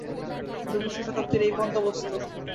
ঊনবিংশ শতাব্দীর এই বন্দোবস্ত?